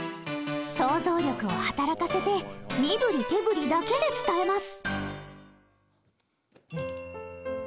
想像力を働かせて身振り手振りだけで伝えます。